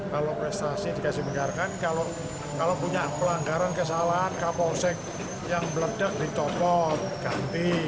kalau prestasi dikasih penghargaan kalau punya pelanggaran kesalahan kapolsek yang beledak ditopot ganti